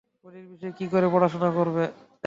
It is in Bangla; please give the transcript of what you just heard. ওদের বিষয়ে কি করে পড়াশোনা করবে?